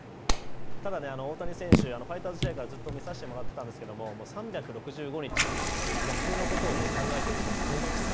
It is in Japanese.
ただ、大谷選手はファイターズ時代からずっと見させてもらいましたが３６５日野球のことを考えているそのストイックさ。